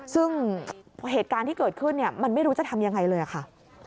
ซึ่งเหตุการณ์ที่เกิดขึ้นเนี่ยมันไม่รู้จะทำยังไงเลยค่ะ